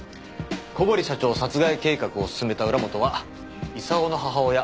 小堀社長殺害計画を進めた浦本は功の母親